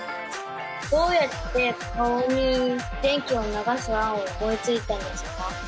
どうやって顔に電気を流す案を思いついたんですか？